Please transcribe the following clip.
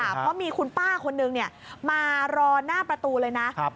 เพราะมีคุณป้าคนนึงมารอหน้าประตูเลยนะ